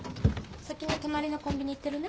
先に隣のコンビニ行ってるね。